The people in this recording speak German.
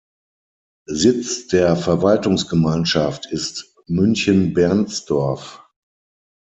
Sitz der Verwaltungsgemeinschaft ist Münchenbernsdorf.